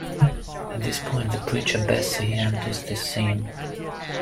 At this point the preacher Bessie enters the scene.